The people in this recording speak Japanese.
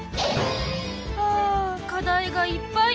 はあ課題がいっぱい。